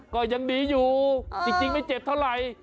ก็ยังดีอยู่จริงไม่เจ็บเท่าไหร่